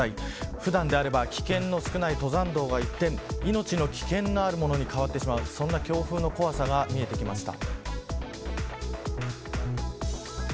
普段であれば危険の少ない登山道が一転命の危険のあるものに変わってしまうそんな強風の怖さが見えてきました。